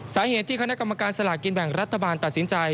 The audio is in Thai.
สาเหตุที่คณะกรรมการสลากกินแบ่งรัฐบาลตัดสินใจ